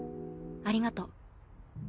ありがとう。